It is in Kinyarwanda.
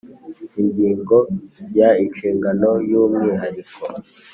Ingingo ya Inshingano y umwihariko